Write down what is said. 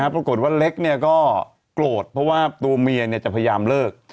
ปรากฏว่าเล็กก็โกรธเพราะว่าตัวเมียจะพยายามเลิก